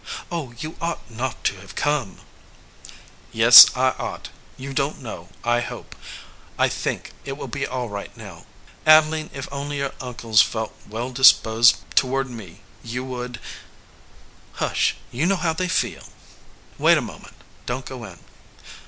"Oh, you ought not to have come !" "Yes, I ought. You don t know. I hope, I think it will be all right now. Adeline, if only your uncles felt well disposed toward me you would ?" 7i EDGEWATER PEOPLE "Hush, you know how they feel." "Wait a moment. Don t go in."